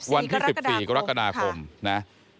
วันที่๑๔กรกฎาคมนะ